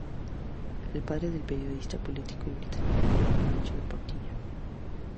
Es padre del periodista y político británico Michael Portillo.